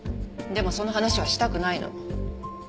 でもその話はしたくないの。